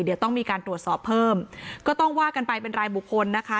เดี๋ยวต้องมีการตรวจสอบเพิ่มก็ต้องว่ากันไปเป็นรายบุคคลนะคะ